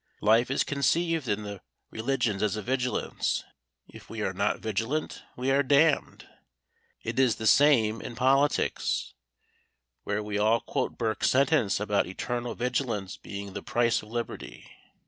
Life is conceived in the religions as a vigilance. If we are not vigilant, we are damned. It is the same in politics, where we all quote Burke's sentence about eternal vigilance being the price of liberty.